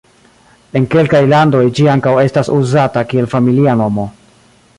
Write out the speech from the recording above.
En kelkaj landoj ĝi ankaŭ estas uzata kiel familia nomo.